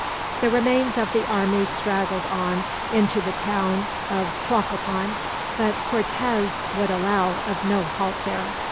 The remains of the army straggled on into the town of Tlacopan, but Cortez would allow of no halt there.